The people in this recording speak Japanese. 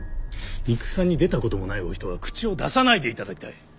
戦に出たこともないお人が口を出さないでいただきたい。